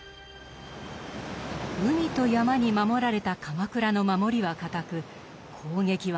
海と山に守られた鎌倉の守りは堅く攻撃は難航。